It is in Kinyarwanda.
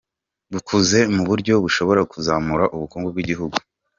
Bukoze mu buryo bushobora kuzamura ubukungu bw’igihugu.